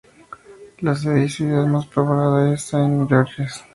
La sede y ciudad más poblada es Saint-Georges.